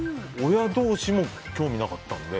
親同士も興味なかったので。